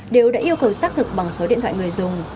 đều đã yêu cầu xác thực bằng số điện thoại người dùng